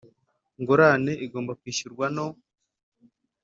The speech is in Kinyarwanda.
Ngurane igomba kwishyurwa no